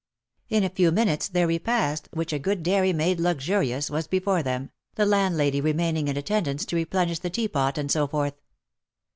In a few minutes their repast, which a good dairy made luxurious, was before them, the landlady remaining in attendance to replenish the tea pot, and so forth.